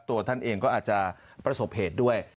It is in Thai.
ตัวท่านเองก็อาจจะประสบเหตุด้วย